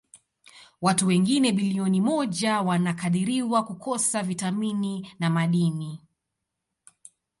Watu wengine bilioni moja wanakadiriwa kukosa vitamini na madini.